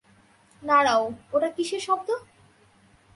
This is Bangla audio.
দাঁড়াও, ওটা কিসের শব্দ?